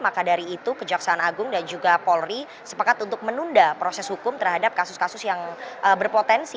maka dari itu kejaksaan agung dan juga polri sepakat untuk menunda proses hukum terhadap kasus kasus yang berpotensi